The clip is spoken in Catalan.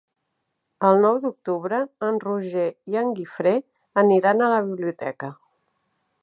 El nou d'octubre en Roger i en Guifré aniran a la biblioteca.